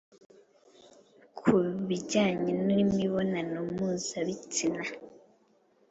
Ku bijyanye n’imibonano mpuzabitsina